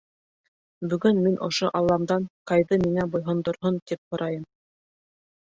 Бөгөн мин ошо Алламдан Кайҙы миңә буйһондорһон, тип һорайым.